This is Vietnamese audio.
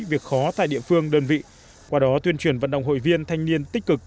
việc khó tại địa phương đơn vị qua đó tuyên truyền vận động hội viên thanh niên tích cực